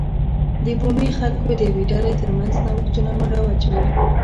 د بومي خلکو د یوې ډلې ترمنځ نوښتونه مروج و.